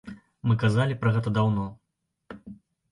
Мы казалі пра гэта даўно.